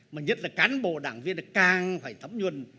mà nhất là cán bộ đảng viên càng phải thấm nhuân